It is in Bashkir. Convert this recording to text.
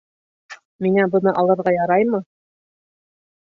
Миңә быны алырға яраймы?